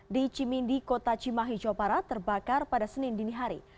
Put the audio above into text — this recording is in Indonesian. di cimindi kota cimahi jopara terbakar pada senin dinihari